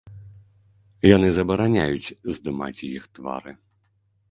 Яны забараняюць здымаць іх твары.